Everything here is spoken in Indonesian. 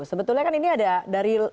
sebetulnya kan ini ada dari